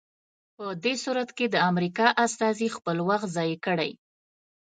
په دې صورت کې د امریکا استازي خپل وخت ضایع کړی.